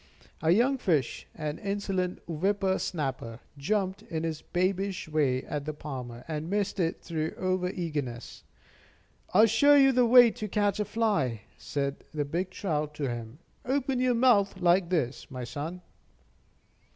A young fish, an insolent whipper snapper, jumped in his babyish way at the palmer, and missed it through over eagerness. "I'll show you the way to catch a fly," said the big trout to him: "open your mouth like this, my son."